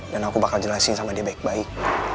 dan aku bakal jelasin sama dia baik baik